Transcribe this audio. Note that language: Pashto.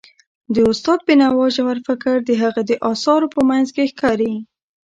د استاد بینوا ژور فکر د هغه د اثارو په منځ کې ښکاري.